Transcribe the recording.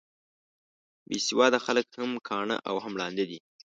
بې سواده خلک هم کاڼه او هم ړانده دي.